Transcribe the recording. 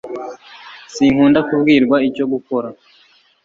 Sinkunda kubwirwa icyo gukora